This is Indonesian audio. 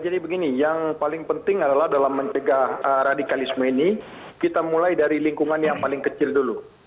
jadi begini yang paling penting adalah dalam mencegah radikalisme ini kita mulai dari lingkungan yang paling kecil dulu